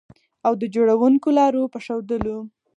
او د جوړوونکو لارو په ښودلو